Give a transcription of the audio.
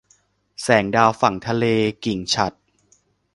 แสงดาวฝั่งทะเล - กิ่งฉัตร